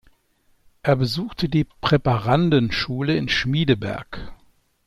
Er besuchte die Präparandenschule in Schmiedeberg.